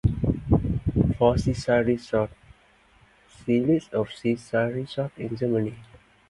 For seaside resorts, see List of seaside resorts in Germany.